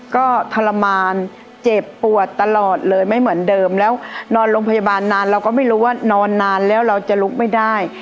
ก็ทรมานเจ็บปวดตลอดเลยไม่เหมือนเดิมแล้วนอนโรงพยาบาลนานเราก็ไม่รู้ว่านอนนานแล้วเราจะลุกไม่ได้